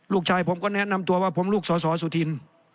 ลูกชายผมก็แนะนำตัวว่าผมลูกสอสอสุธิน